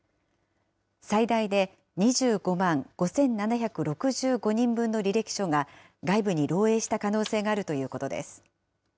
最大で２５万５７６５人分の履歴書が外部に漏えいした可能性があるということです。